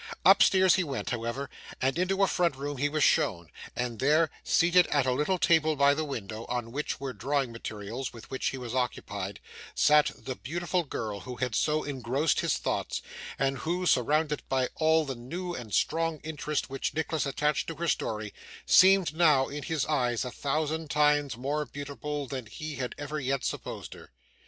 Upstairs he went, however, and into a front room he was shown, and there, seated at a little table by the window, on which were drawing materials with which she was occupied, sat the beautiful girl who had so engrossed his thoughts, and who, surrounded by all the new and strong interest which Nicholas attached to her story, seemed now, in his eyes, a thousand times more beautiful than he had ever yet supposed her.